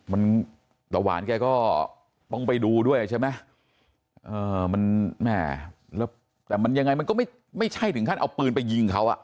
มันระหว่างแกก็ต้องไปดูด้วยใช่ไหมแต่มันยังไงมันก็ไม่ใช่ถึงขั้นเอาปืนไปยิงเขาอะ